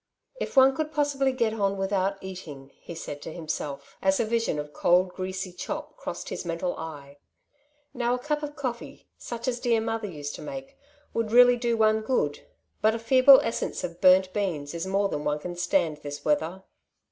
'' If one could possibly get on without eating !'' he said to himself, as a vision of cold, greasy chop crossed his mental eye. '^ Now a cup of coffee, such as dear mother used to make, would really do one good, but a feeble essence of burnt beans is more than one can stand this weather.